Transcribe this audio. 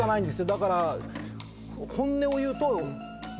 だから本音を言うと。